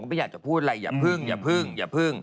ไม่อยากจะพูดอะไรอย่าพึ่ง